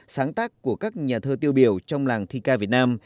sáng tác của các nhà thơ tiêu biểu trong làng thi ca việt nam